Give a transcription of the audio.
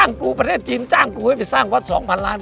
กูประเทศจีนจ้างกูให้ไปสร้างวัด๒๐๐ล้าน